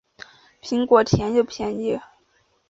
苹果甜又便宜